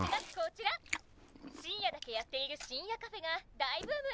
深夜だけやっている深夜カフェが大ブーム！